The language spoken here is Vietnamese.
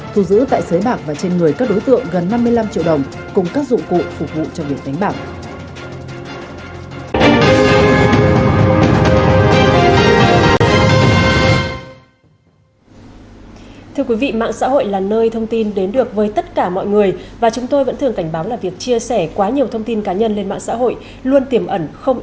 thu giữ tại sới bạc và trên người các đối tượng gần năm mươi năm triệu đồng